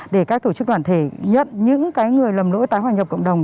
để các tổ chức đoàn thể nhận những người lầm lỗi tái hòa nhập cộng đồng